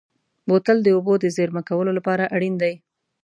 بوتل د اوبو د زېرمه کولو لپاره اړین دی.